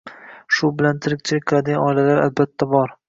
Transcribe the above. shu bilan tirikchilik qiladigan oilalar albatta bor.